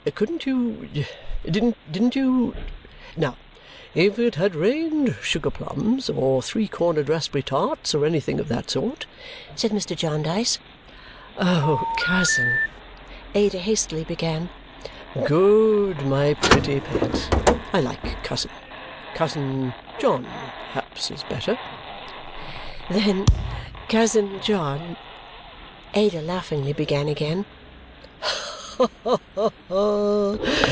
Couldn't you didn't you now, if it had rained sugar plums, or three cornered raspberry tarts, or anything of that sort!" said Mr. Jarndyce. "Oh, cousin " Ada hastily began. "Good, my pretty pet. I like cousin. Cousin John, perhaps, is better." "Then, cousin John " Ada laughingly began again.